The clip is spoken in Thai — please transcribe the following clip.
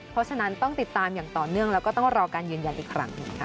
เพราะฉะนั้นต้องติดตามอย่างต่อเนื่องแล้วก็ต้องรอการยืนยันอีกครั้งหนึ่งค่ะ